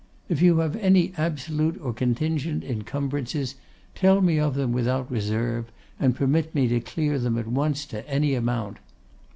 If you have any absolute or contingent incumbrances, tell me of them without reserve, and permit me to clear them at once to any amount.